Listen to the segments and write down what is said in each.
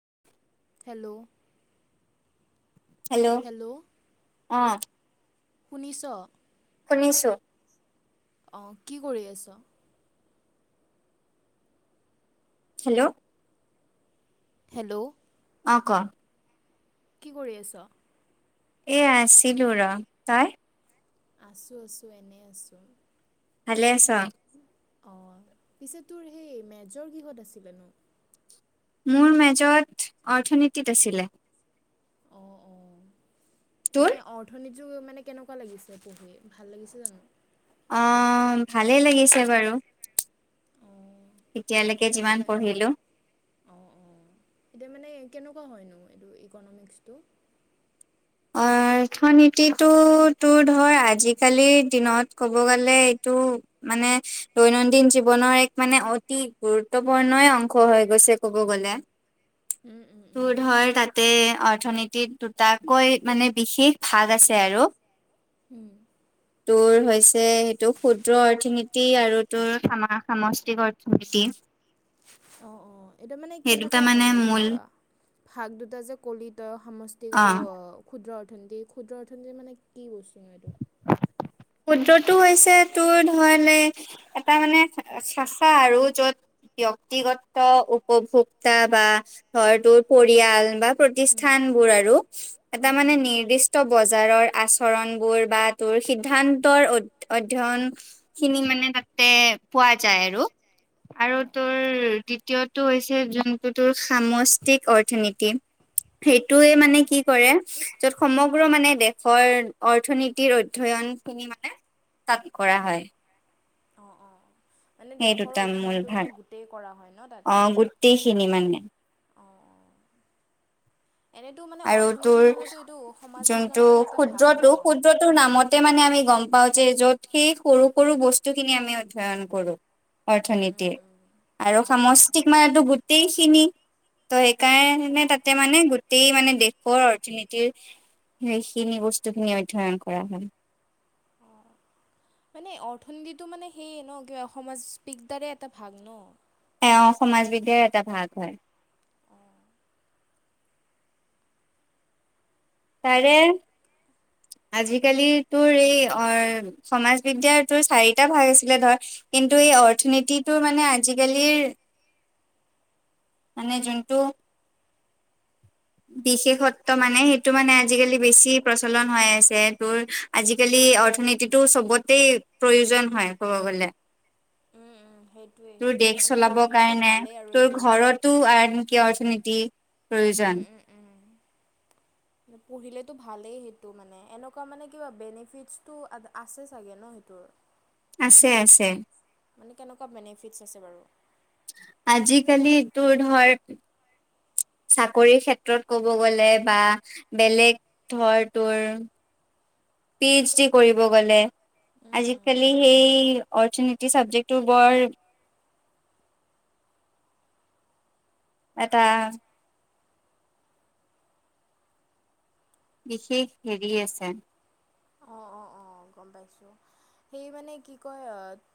[inaudible] Hello? Hello অ শুনিছ? শুনিছোঁ। অ, কি কৰি আছ? হেল্ল'? হেল্ল'? অ ক? কি কৰি আছ? এই আছিলোঁ ৰ, তই? আছো আছো এনে আছো। ভালে আছ? অ, পিছে তোৰ সেই মেজৰ কিহত আছিলেনো? মোৰ মেজত অৰ্থনীতিত আছিলে। অ', অ', তোৰ এদে অ' থনীতিটো মানে কেনেকুৱা লাগিছে পঢ়ি ভাল লাগিছে জানো? অ', ভালেই লাগিছে বাৰু। অঁ এতিয়ালৈকে মানে যিমান পঢ়িলো। অঁ অঁ এতিয়া মানে কেনেকুৱা হয়নো এইটো ইকনমিক্সটো? [inaudible] অৰ্থনীতিটো তোৰ ধৰ আজিকালিৰ দিনত ক'ব গ'লে এইটো মানে দৈনন্দিন জীৱনৰ এক মানে অতি গুৰুত্বপূৰ্ণই অংশ হৈ গৈছে ক'ব গ'লে [inaudible] উম তোৰ উম ধৰ তাতে অৰ্থনীতিত দুটাকৈ মানে বিশেষ ভাগ আছে আৰু উম তোৰ হৈছে সেইটো ক্ষুদ্ৰ অৰ্থনীতি আৰু তোৰ সামা সামষ্টি অৰ্থনীতি অ অ এইটো মানে সেই দুটা কেনেকুৱা মানে হয়নো এইটো মূল ভাগ দুটা যে কলি তই সামষ্টিক অ আৰু ক্ষুদ্ৰ অথনীতি, ক্ষুদ্ৰ অৰ্থনীতি মানে কি বস্তু হয় এইটো ক্ষুদ্ৰটো হৈছে তোৰ ধয় লে এটা মানে শাখা আৰু য'ত ব্যক্তিগত উপভোক্তা বা ধৰ তোৰ পৰিয়াল বা প্ৰতিষ্ঠান বোৰ আৰু এটা আৰু মানে নিৰ্দি ষ্ট বজাৰৰ আচৰণবোৰ বা তোৰ সি দ্ধান্তৰ অধ্যয়ন খিনি মানে তাতে পোৱা যায় আৰু আৰু অঁ অঁ তোৰ দ্বিতীয়টো হৈছে যোনটো তোৰ সামষ্টিক অৰ্থ অৰ্থনীতি সেইটোয়ে মানে অঁ কি কৰে য'ত সমগ্ৰ মানে দেশৰ অৰ্থনীতিৰ অধ্যয়ন খিনি মানে তাত কৰা হয় অ অ মানে সেই দেশৰ দুটা মূল অধ্যয়নটো মানে গোটেই কৰা হয় ন তাত এইখিনি মানে অ অ এনেটো মানে আৰু তোৰ অৰ্থনীতি মানেতো এইটো সমাজ বিজ্ঞানৰে এটা ভাগ ন টো নামতে মানে আমি গম পাওঁ যে য'ত সেই সৰু সৰু বস্তুখিনি আমি অধ্যয়ন কৰো উম উম অৰ্থনীতিৰ উম আৰু অঁ অঁ সমষ্টিক মানো গোটেইখিনি ত সেইকাৰণে তাতে মানে গো টেই মানে দেশৰ অৰ্থনীতিৰ সেইখিনি বস্তুখিনি অধ্যয়ন কৰা হয় মানে অৰ্থনীতিটো মানে সেইয়ে ন কিবা অসমৰ স্পিকতাৰে এটা ভাগ ন এ অ সমাজ বিদ্যাৰে এটা ভাগ হয় অ তাৰে আজিকালি তোৰ এই অ সমাজ বিদ্যাৰতোৰ চাৰিটা ভাগ আছিলে ধৰ কিন্তু এই অৰ্থনীতিটো মানে আজিকালিৰ মানে যোনটো বিশেষত্ব মানে সেইটো মানে আজিকালি বেছি প্ৰচলন হৈ আছে তোৰ আজিকালি অৰ্থনীতিটো চবতেই প্ৰয়োজন হয় ক'ব গ'লে উম উম সেইটোৱে তোৰ দেশ সেইটোৱে মানে পঢ়িলেতো ভালেই আৰু এইটো টু অৰ্থনীতি উম প্ৰয়োজন উম উম পঢ়িলেতো ভালেই সেইটো মানে এনেকুৱা মানে কিবা বেনিফিটছটো আছে চাগে ন সেইটোৰ আছে আছে মানে কেনেকা বেনিফিটছ আছে বাৰু আজিকালি তোৰ ধৰ চাকৰি ক্ষেত্ৰত ক'ব গ'লে বা বেলেগ ধৰ তোৰ পি এইচ ডি কৰিব গলে আজিকালি সেই অৰ্থনীতি ছাবজেক্টটো বৰ এটা বিশেষ হেৰি আছে। অঁ অ অ গম পাইছোঁ। সেই মানে কি কয়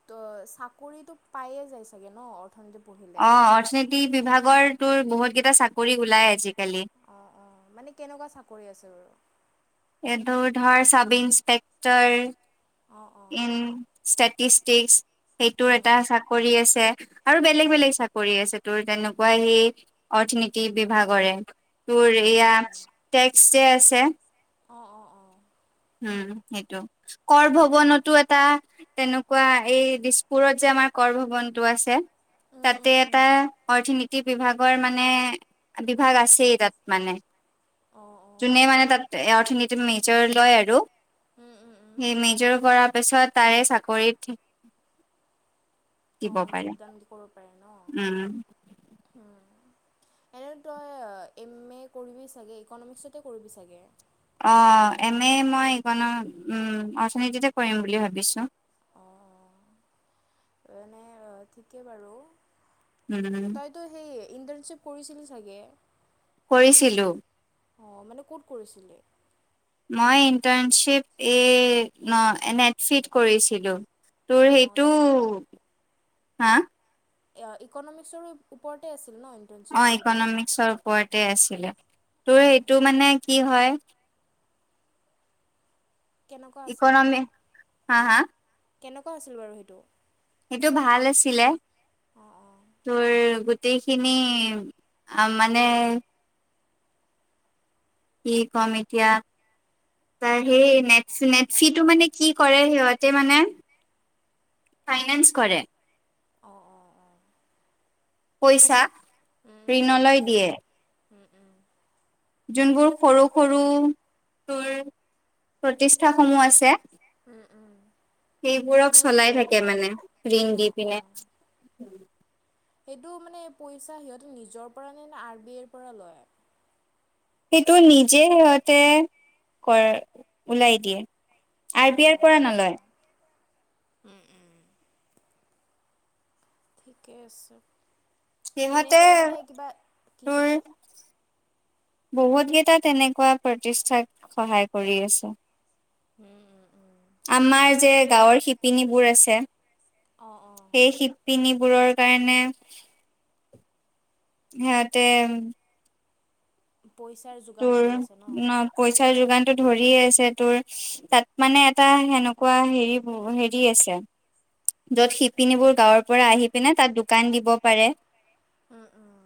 ত চাকৰিটো পায়ে যায় চাগে ন? অৰ্থনীতি পঢ়িল অঁ অৰ্থনীতি বিভাগৰ তোৰ বহুতকেইটা চাকৰি ওলায় আজিকালি। অঁ অঁ মানে কেনেকুৱা চাকৰি আছে বাৰু? এইটো ধৰ চাব অঁ অঁ ইস্পেক্টৰ ইন ষ্টেটিষ্টিক্স সেইটোৰ উম এটা চাকৰি আছে। আৰু বেলেগ বেলেগ চাকৰি আছে তোৰ তেনেকুৱা সেই অৰ্থনীতি বিভাগৰে। তোৰ উম এইয়া উম উম টেক্স যে আছে। অঁ অঁ অঁ। উম সেইটো, কৰ ভৱনতো এটা তেনকুৱা এই দিছপুৰত যে আমাৰ কৰ ভৱনটো আছে উম উম তাতে উম এটা অৰ্থনীতি বিভাগৰ মানে বিভাগ আছেই তাত মানে। অঁ অঁ যোনে মানে আচ্ছা তাত এ অৰ্থনীতি মেজৰ লয় [unintelligible] উম উম উম সেই মেজৰ কৰাৰ পিছত তাৰে চাকৰিত অ দিব পাৰে যোগদান কৰিব পাৰে ন? উম, উম। এনে তই এম এ কৰিবি চাগে? ইকনমিক্সতে কৰিবি চাগে? অঁ এম এ মই ইকন উম্ অৰ্থনীতিতে কৰিম বুলি ভাবিছোঁ। অঁ এনে ঠিকে বাৰু, উম, তই তই সেই ইন্টাৰ্ণশ্বিপ কৰিছিল চাগে? কৰিছিলো। অঁ মানে ক'ত কৰিছিলি? মই ইণ্টাৰ্ণশ্বিপ এই ন এন্ এট চিট কৰিছিলোঁ। তোৰ অঁ সেইটো, তাত হা? ইকনমিক্সৰো ওপৰতে আছিল ন? অঁ ইণ্টাৰ্ণশ্বিপটো সেইটো ইকনমিক্সৰ ওপৰতে আছিলে, তোৰ অঁ সেইটো মানে কি হয় কেনকুৱা আছিল বাৰু? ইকনমি হা হা কেনকুৱা আছিল বাৰু সেইটো? সেইটো ভাল আছিলে। অঁ অঁ তোৰ গোটেইখিনি আ মানে কি কম এতিয়া ত সেই নেট নেটচিটো মানে কি কৰে সিহঁতে মানে ফাইনেন্স কৰে অঁ অ অঁ। পইচা উম গম ঋণলৈ পাইছো দিয়ে উম উম। যোনবোৰ সৰু সৰু তোৰ প্ৰতিষ্ঠা সমূহ আছে উম উম সেইবোৰক সেইবোৰক চলাই দিয়ে ন থাকে মানে, ঋণ অঁ দি পিনে। অঁ সেইটো মানে পইচা সিহঁতে নিজৰ পৰা আনে নে আৰ বি আইৰ পৰা লয়? সেইটো নিজেই সিহঁতে কৰ ওলাই দিয়ে। আৰ অঁ বি আই অঁ পৰা আচ্ছা নলয়। উম উম। ঠিকে আছে, এনেই সিহঁতে তই মানে কিবা, কি তোৰ কৈছ? বহুত কেইটা তেনেকুৱা প্ৰতিষ্ঠাক সহায় কৰি আছে। হম্ উম উম। ঠিকে আমাৰ যে আছে গাঁৱৰ শিপিনীবোৰ আছে অঁ অঁ সেই শি শিপিনীবো কাৰণে সিহতে পইচা। তোৰ ন, পইচাৰ যোগানতটো ধৰিয়ে আছে তোৰ। তাত মানে এটা সেনেকুৱা হেৰি বোৰ হেৰি আছে য'ত শিপিনীবোৰ গাঁৱৰ পৰা আহি পিনে তাত দোকান দিব পাৰে। উম উম।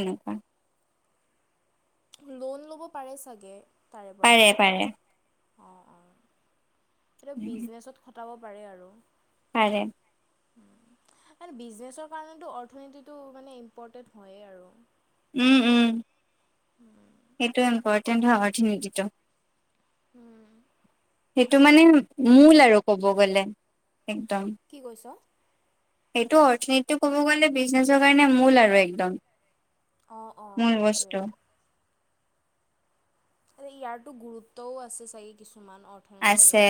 এনেকুৱা। লোন ল'ব পাৰে ছাগে তাৰে পৰা পাৰে পাৰে অঁ অঁ। তেওঁ বিজনেছত খটাব পাৰে আৰু। পাৰে। মানে বিজনেছৰ কাৰণেতো অৰ্থনীতিটো মানে ইম্পৰ্টেণ্ট হয়েই আৰু। উম উম সেইটো ইম্পৰ্টেণ্ট হয় অৰ্থিনতিটো। সেইটো মানে মূল আৰু ক'ব গ'লে একদম। কি কৈছ। এইটো অৰ্থনীতিটো ক'ব গ'লে বিজনেছৰ কাৰণে মূল আৰু একদম। অ' অ' মূল সেইটোৱে। বস্তু। ইয়াৰ টো গুৰুত্বও আছে ছাগে কিছুমান অৰ্থ আছে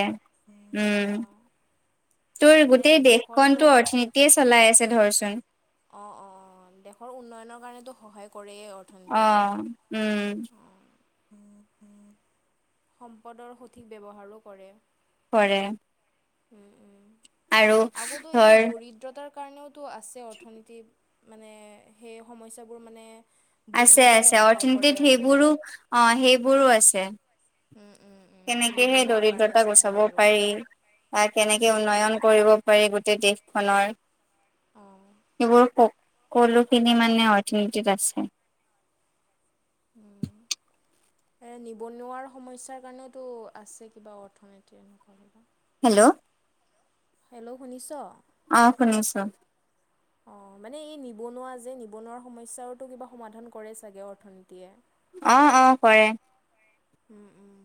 উম তোৰ মানে গোটেই দেশখন দেশৰতো তো অৰ্থনীতি তিয়ে চলাই আছে ধৰাচোন। অ' অ' অ' দেশৰ উন্নয়নৰ কাৰণেতো সহায় কৰেয়েই অৰ্থ অ' উম। অঁ। সম্পদৰ সঠিক ব্যৱহাৰো কৰে। কৰে। উম উম আৰু আগতো এইটো ধৰ দৰিদ দ্ৰতাৰ কাৰণেওতো আছে অৰ্থনীতি মানে সেই সমস্যাবোৰ মানে। আছে বুজিবলৈ আছে সহায় কৰে অৰ্থনীতিত আৰু সেইবোৰো অ সেইবোৰো আছে। উম উম উম কেনেকেহে নিবনুৱাৰ কাৰণে দৰিদ্ৰতা যিবোৰ গুচাব আৰু পাৰি। বা উম কেনেকে উম উম উন্নয়ন কৰিব পাৰি গোটেই দেশখনৰ। অঁ। সেইবোৰ কলোখিনি মানে অৰ্থনীতিত আছে। উম। নিবনুৱাৰ সমস্যাৰ কাৰণেওতো আছে কিবা অৰ্থনীতি এনেকুৱা হেল্ল'। হেল্ল' শুনিছ? অ' শুনিছোঁ। [inaudible] অ' মানে এই নিবনুৱা যে, নিবনুৱা সমস্যাৰতো কিবা সমাধান কৰে ছাগে অৰ্থনীতিয়ে? অঁ অঁ কৰে। উম উম।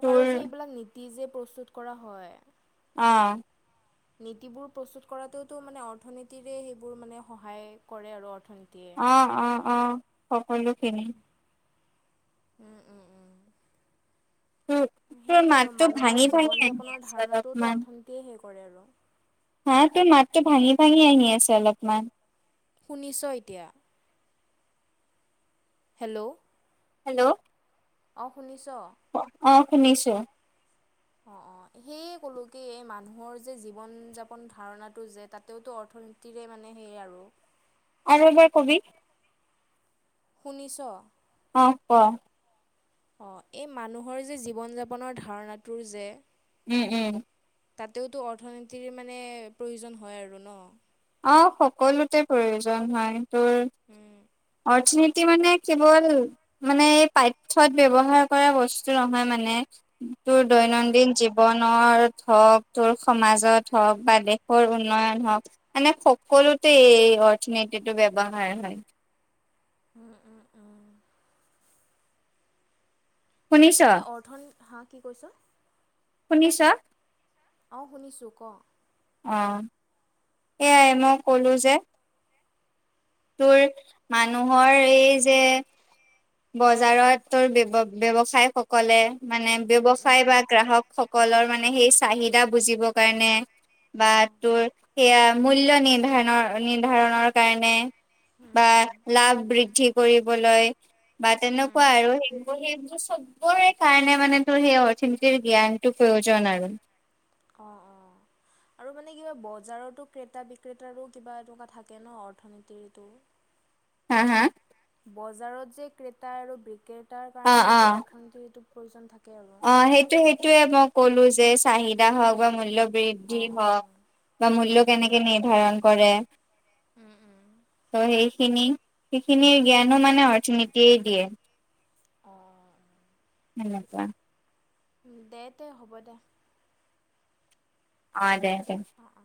তোৰ যে এইবিলাক নীতি যে প্ৰস্তুত কৰা হয় অঁ। নীতিবোৰ প্ৰস্তুত কৰাতওতো মানে অৰ্থনীতিৰে সেইবোৰ মানে সহায় কৰে আৰু অৰ্থনীতি। অঁ অঁ অঁ সকলোখিনি। তোৰ তোৰ সেয়ে আৰু মাতটো মানুহৰ ভাঙি ভাঙি আহি জীৱন-যাপনৰ আছে ধাৰণাটোওতো অলপমান অৰ্থনীতিয়ে সেৰি কৰে আৰু। হা তোৰ মাতটো ভাঙি ভাঙি আহি আছে অলপমান। শুনিছ এতিয়া হেল্ল' হেল্ল' অ শুনিছ? অ অ শুনিছো। [inaudible] অ অ সেয়ে ক'লো কি এই মানুহৰ যে জীৱন-যাপন ধাৰণাটো যে তাতেওতো অৰ্থনীতি তিৰে মানে সেই আৰু। আৰু হে কবি শুনিছ অহ কোৱা অ এই মানুহৰ যে জীৱন-যাপনৰ ধাৰণাটোৰ যে উম উম তাতেওতো অৰ্থনীতিৰ মানে প্ৰয়োজন হয় আৰু ন অ সকলোতে প্ৰয়োজন হয় উম তোৰ অৰ্থনীতি মানে কেৱল মানে এই পাঠ্যত ব্যৱহাৰ কৰা বস্তু নহয় মানে তোৰ উম উম দৈনন্দিন উম। জীৱন- নৰ হওক, তোৰ সমাজত হওক বা দেশৰ উন্নয়ন হওক মানে সকলোতে এই অৰ্থনীতিটো ব্যৱহাৰ হয়। উম উম উম। শুনিছ অৰ্থনী হা কি কৈছ শুনিছা অ শুনিছোঁ ক অ এয়াই মই ক'লোঁ যে তোৰ মানুহৰ এই যে বজাৰতৰ তোৰ ব্যব ব্যৱসায় সকলে মানে উম উম ব্যৱসায় বা উম গ্ৰাহক স- কলৰ মানে সেই চাহিদা বুজিবৰ কাৰণে বা অঁ তোৰ সেয়া মূল্য নিৰ্ধাণৰ নিৰ্ধাৰণৰ কাৰণে উম বা উম লাভ বৃদ্ধি কৰিবলৈ বা উম তেনেকুৱা আৰু সেইবোৰ সেইবোৰ চব চবৰে কাৰণে মানে তোৰ সেই অৰ্থনীতিৰ জ্ঞানটো প্ৰয়োজন আৰু। অ‌ অ আৰু মানে কিবা বজাৰতো ক্ৰেতা বিক্ৰেতাৰো কিবা এটকা থাকে ন অৰ্থনীতিৰটো হা হা বজাৰত যে ক্ৰেতা আৰু বিক্ৰেতাৰ অ অ কাৰণেওতো অৰ্থনীতিৰ টো প্ৰয়োজন থাকে আৰু। অ সেইটো সেইটোয়ে মই ক'লো যে চাহিদা হওক বা মূল্য বৃদ্ধি অঁ অঁ হওক অঁ বা মূল্য উম উম কেনেকে নিৰ্ধাৰণ কৰে উম উম ত' সেইখিনি সেইখিনিৰ জ্ঞানো মানে অৰ্থনীতিয়ে দিয়ে। অ এনেকুৱা দে দে হ'ব দে। অ দে দে। অ অ